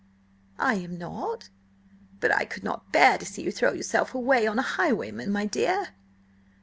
"I am not. But I could not bear to see you throw yourself away on a highwayman, my dear."